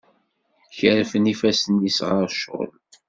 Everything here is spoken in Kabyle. Kerfen ifassen-is ɣer ccɣel.